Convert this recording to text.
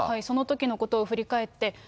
そのときのことを振り返って。